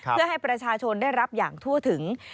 เพื่อให้ประชาชนได้รับอย่างทั่วถึง